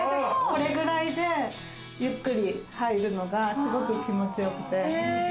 これぐらいでゆっくり入るのが、すごく気持ちよくて。